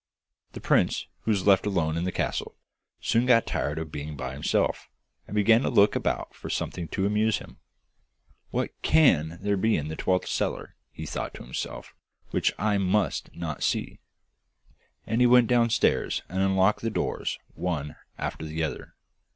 The prince, who was left alone in the castle, soon got tired of being by himself, and began to look about for something to amuse him. 'What CAN there be in that twelfth cellar,' he thought to himself, 'which I must not see?' And he went downstairs and unlocked the doors, one after the other.